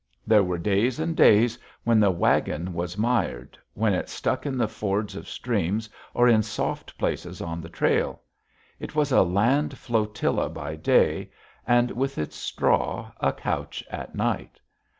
There were days and days when the wagon was mired, when it stuck in the fords of streams or in soft places on the trail. It was a land flotilla by day, and, with its straw, a couch at night.